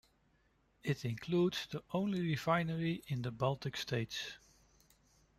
It includes the only refinery in the Baltic States.